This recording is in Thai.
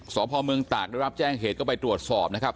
สพเมืองตากได้รับแจ้งเหตุก็ไปตรวจสอบนะครับ